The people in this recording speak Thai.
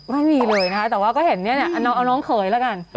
ไม่มีเลยนะคะแต่ว่าก็เห็นเนี่ยเอาน้องเขยแล้วกัน